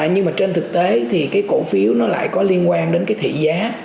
nhưng mà trên thực tế thì cái cổ phiếu nó lại có liên quan đến cái thị trường của doanh nghiệp